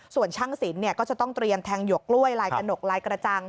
ส่วนช่างศิลป์ก็จะต้องเตรียมแทงหยวกกล้วยลายกระหนกลายกระจัง